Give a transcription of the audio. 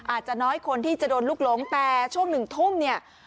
อาจจะน้อยคนที่จะโดนลูกหลงแต่ช่วงหนึ่งทุ่มเนี่ย